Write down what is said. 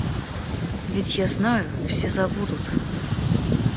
Ведь я знаю, все забудут.